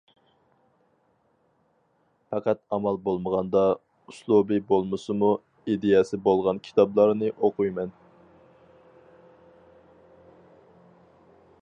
پەقەت ئامال بولمىغاندا، ئۇسلۇبى بولمىسىمۇ، ئىدىيەسى بولغان كىتابلارنى ئوقۇيمەن.